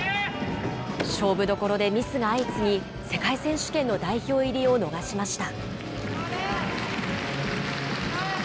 勝負どころでミスが相次ぎ、世界選手権の代表入りを逃しました。